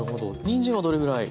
にんじんはどれぐらい？